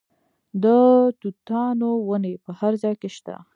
د توتانو ونې په هر ځای کې شته.